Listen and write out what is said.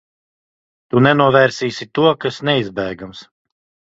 Tu nenovērsīsi to, kas neizbēgams.